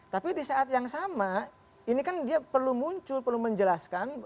tapi di saat yang sama ini kan dia perlu muncul perlu menjelaskan